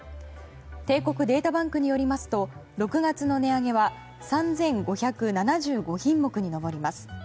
帝国データバンクによりますと６月の値上げは３５７５品目に上ります。